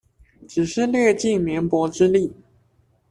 只是略盡棉薄之力